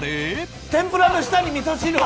天ぷらの下に味噌汁を！